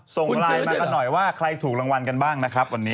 ส่งไลน์มากันหน่อยว่าใครถูกรางวัลกันบ้างนะครับวันนี้